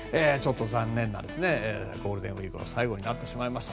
残念なゴールデンウィークの最後になってしまいました。